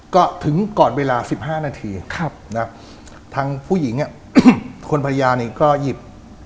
ก็ถึงก่อนเวลา๑๕นาทีทางผู้หญิงคนภรรยานี่ก็หยิบ